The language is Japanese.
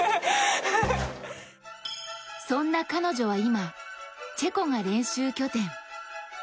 そんな彼女は今、チェコが練習拠点。